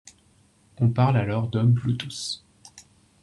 On parle alors d'homme-bluetooth.